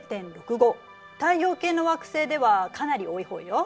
太陽系の惑星ではかなり多い方よ。